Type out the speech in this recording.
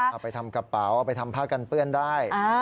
เอาไปทำกระเป๋าเอาไปทำผ้ากันเปื้อนได้